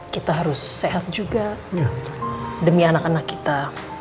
kita harus sehat juga demi anak anak kita